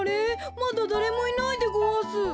まだだれもいないでごわす。